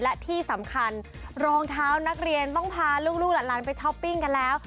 และที่สำคัญรองเท้านักเรียนต้องพาลูกหลานไปช้อปปิ้งกันแล้ว